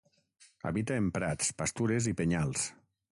Habita en prats, pastures i penyals.